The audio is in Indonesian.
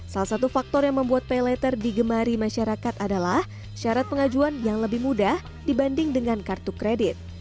salah satu faktor yang membuat pay letter digemari masyarakat adalah syarat pengajuan yang lebih mudah dibanding dengan kartu kredit